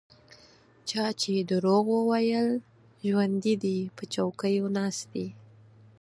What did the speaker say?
چا چې دروغ ویل ژوندي دي په چوکیو ناست دي.